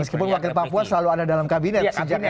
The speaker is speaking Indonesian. meskipun wakil papua selalu ada dalam kabinet